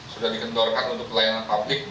sudah dikendorkan untuk pelayanan publik